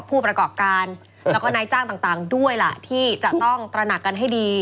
ผู้ประกอบการแล้วก็นายจ้างต่างด้วยล่ะที่จะต้องตระหนักกันให้ดี